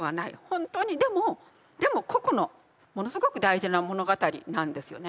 本当にでもでも個々のものすごく大事な物語なんですよね。